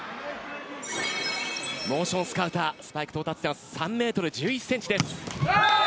モーションスカウタースパイク到達点は３ｍ１１ｃｍ。